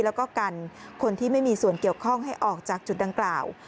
แล้วก็กันคนที่ไม่มีส่วนเกี่ยวข้องให้ออกจากจุดดังกล่าว